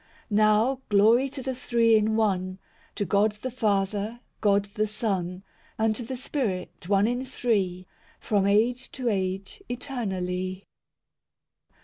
VI Now, glory to the Three in One, To God the Father, God the Son, And to the Spirit, one in Three, From age to age eternally.